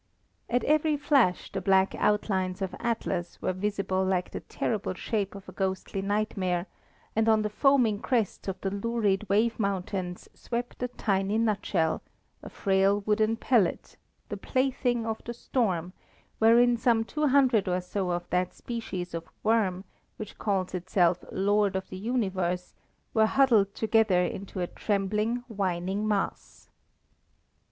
At every flash the black outlines of Atlas were visible like the terrible shape of a ghostly nightmare, and on the foaming crests of the lurid wave mountains swept a tiny nutshell, a frail wooden pellet, the plaything of the storm, wherein some two hundred or so of that species of worm which calls itself Lord of the Universe were huddled together into a trembling, whining mass.